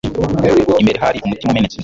imbere hari umutima umenetse